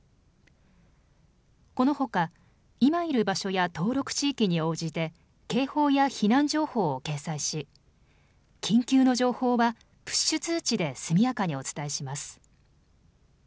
このほか、今いる場所や登録地域に応じて警報や避難情報を掲載し緊急の情報はプッシュ通知で速やかにお伝えします。